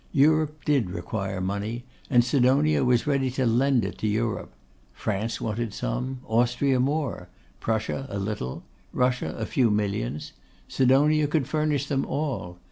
Europe did require money, and Sidonia was ready to lend it to Europe. France wanted some; Austria more; Prussia a little; Russia a few millions. Sidonia could furnish them all.